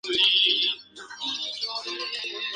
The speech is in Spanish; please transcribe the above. Su recorrido pasa por Gournay-en-Bray y Gisors.